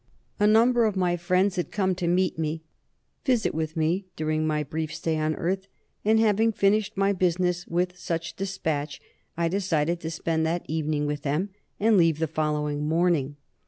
A number of my friends had come to meet me, visit with me during my brief stay on Earth; and, having finished my business with such dispatch, I decided to spend that evening with them, and leave the following morning.